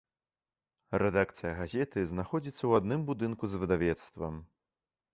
Рэдакцыя газеты знаходзіцца ў адным будынку з выдавецтвам.